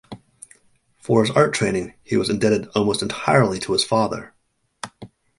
For his art training he was indebted almost entirely to his father.